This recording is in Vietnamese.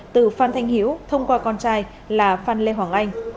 từ phan thanh hiếu thông qua con trai là phan lê hoàng anh